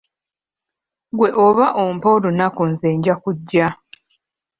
Gw'oba ompa olunaku nze nja kujja.